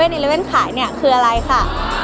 ที่๗๑๑ขายเนี่ยคืออะไรคะ